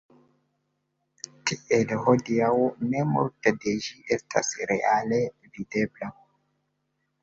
Tiel hodiaŭ ne multe de ĝi estas reale videbla.